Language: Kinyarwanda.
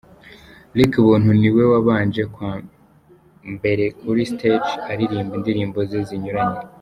Luc Buntu ni we wabanje kwa mbere kuri stage aririmba indirimbo ze zinyuranye.